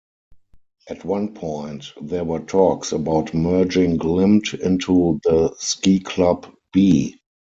At one point, there were talks about merging Glimt into the Ski Club B.